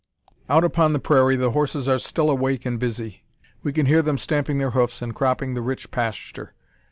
Out upon the prairie the horses are still awake and busy. We can hear them stamping their hoofs and cropping the rich pasture.